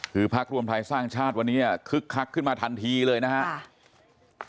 คือพักรวมไทยสร้างชาติวันนี้คึกคักขึ้นมาทันทีเลยนะครับ